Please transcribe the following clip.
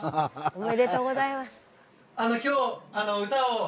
おめでとうございます！